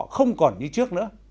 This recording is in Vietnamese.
không còn như trước nữa